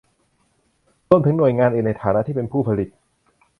รวมถึงหน่วยงานอื่นในฐานะที่เป็นผู้ผลิต